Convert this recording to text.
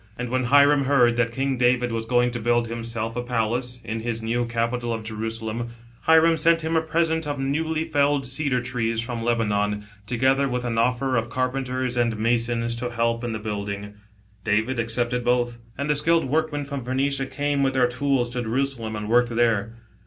And Hiram heard, that King David was going B.C. 1014.] SOLOMON AND HIRAM. 43 to build himself a palace, in his new capital of Jerusalem, Hiram sent him a present of newly felled cedar trees from Lebanon, together with an offer of carpenters and masons, to help in the building. David accepted both, and the skilled workmen from Phoenicia came with their tools to Jerusalem and worked there.